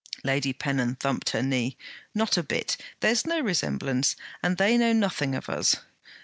Lady Pennon thumped her knee. 'Not a bit. There's no resemblance, and they know nothing of us.'